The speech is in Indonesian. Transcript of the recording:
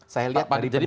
saya lihat dari penjelasan